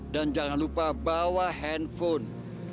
dan jangan lupa bawa handphone